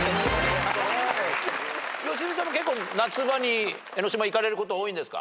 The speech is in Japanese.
良純さんも結構夏場に江の島行かれること多いんですか？